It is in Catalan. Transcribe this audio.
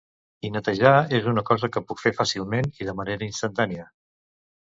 I netejar és una cosa que puc fer fàcilment i de manera instantània.